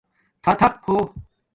تھاتھپ ہݸ